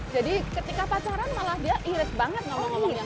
jadi ketika pacaran malah dia iris banget ngomong ngomongnya